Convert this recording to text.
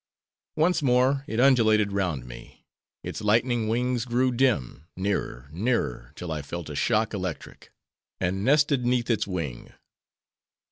"Once more it undulated round me; its lightning wings grew dim; nearer, nearer; till I felt a shock electric,—and nested 'neath its wing.